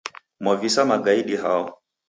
Mwavisa magaidi hao?